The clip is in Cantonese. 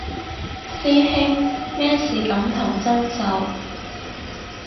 師兄咩事感同身受